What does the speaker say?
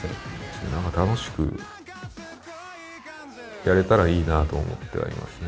なんか楽しくやれたらいいなと思ってはいますね。